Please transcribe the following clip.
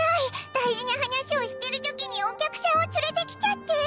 大事な話をしちぇる時にお客しゃんをちゅれてきちゃって！